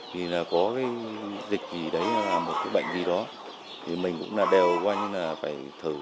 thì là có cái dịch gì đấy là một cái bệnh gì đó thì mình cũng là đều qua như là phải thử